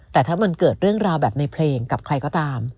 แต่ถ้ามันเกิดเรื่องราวแบบในเพลงกับใครก็ตาม